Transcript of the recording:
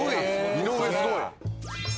井上すごい。